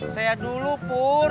saya dulu pur